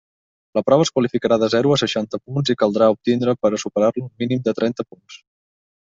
La prova es qualificarà de zero a seixanta punts, i caldrà obtindre per a superar-lo un mínim de trenta punts.